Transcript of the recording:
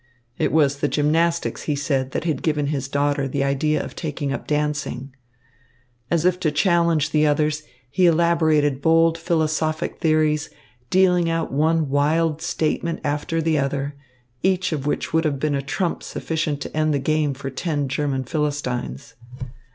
It was the gymnastics, he said, that had given his daughter the idea of taking up dancing. As if to challenge the others, he elaborated bold philosophic theories, dealing out one wild statement after the other, each of which would have been a trump sufficient to end the game for ten German Philistines.